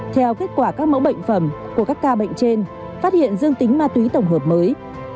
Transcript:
theo kết quả các mẫu bệnh phẩm của các ca bệnh trên phát hiện dương tính ma túy tổng hợp mới